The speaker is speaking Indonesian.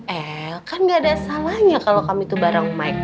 eh kan gak ada salahnya kalau kami itu bareng mike